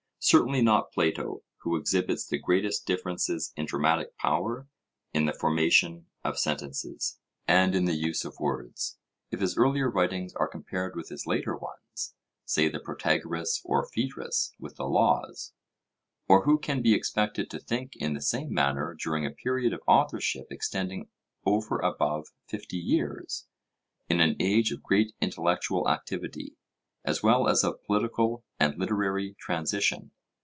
Certainly not Plato, who exhibits the greatest differences in dramatic power, in the formation of sentences, and in the use of words, if his earlier writings are compared with his later ones, say the Protagoras or Phaedrus with the Laws. Or who can be expected to think in the same manner during a period of authorship extending over above fifty years, in an age of great intellectual activity, as well as of political and literary transition?